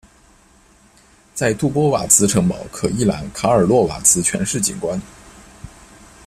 在杜波瓦茨城堡可一览卡尔洛瓦茨全市景观。